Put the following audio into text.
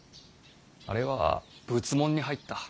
あれは仏門に入った。